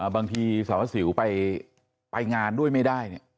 บางทีสารวัสสิวไปงานด้วยไม่ได้